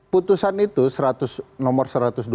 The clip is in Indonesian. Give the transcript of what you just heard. putusan itu nomor satu ratus dua belas